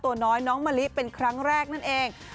ตัวน้อยน้องมะลิเป็นครั้งแรกนั่นเอง